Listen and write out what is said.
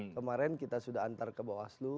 kemarin kita sudah antar ke bawaslu